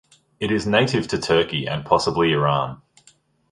It is native to Turkey and possibly Iran.